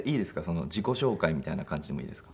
自己紹介みたいな感じでもいいですか？